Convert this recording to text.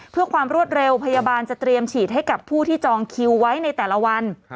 เพื่อความรวดเร็วพยาบาลจะเตรียมฉีดให้กับผู้ที่จองคิวไว้ในแต่ละวัน